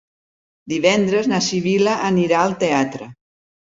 Divendres na Sibil·la anirà al teatre.